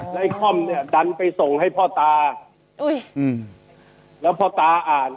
และไอ้คอมเนี่ยดันไปส่งให้พ่อตาแล้วพ่อตาอ่าน